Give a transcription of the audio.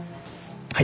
はい。